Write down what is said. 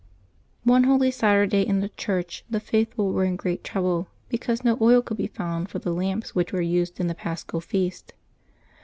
One Holy Saturday in the church the faithful were in great trouble, because no oil could be found for the lamps which were used in the Paschal feast.